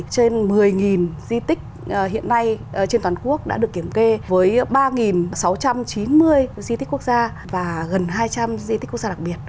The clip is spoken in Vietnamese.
trên một mươi di tích hiện nay trên toàn quốc đã được kiểm kê với ba sáu trăm chín mươi di tích quốc gia và gần hai trăm linh di tích quốc gia đặc biệt